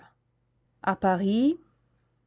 A Paris M.